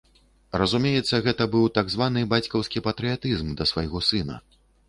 Разумеецца, гэта быў так званы бацькаўскі патрыятызм да свайго сына.